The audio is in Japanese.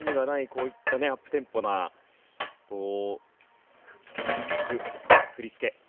こういったねアップテンポな曲振り付け